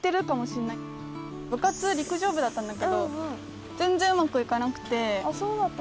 部活陸上部だったんだけど全然うまく行かなくて。